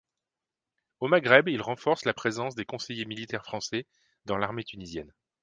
Au Maghreb, il renforce la présence des conseillers militaires français dans l'armée tunisienne.